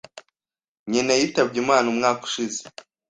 Nyina yitabye Imana umwaka ushize.